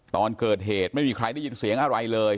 ตอนเกิดเหตุไม่มีใครได้ยินเสียงอะไรเลย